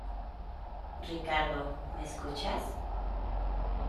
Ricardo, ¿ me escuchas?